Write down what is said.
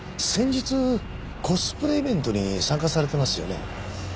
先日コスプレイベントに参加されてますよね？